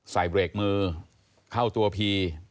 เบรกมือเข้าตัวพี